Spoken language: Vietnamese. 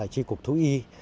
chi cục thú y